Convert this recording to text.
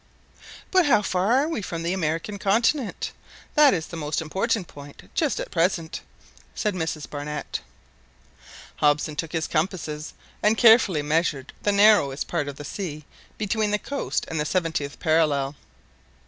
"But how far are we from the American continent? that is the most important point just at present," said Mrs Barnett. Hobson took his compasses, and carefully measured the narrowest part of the sea between the coast and the seventieth parallel.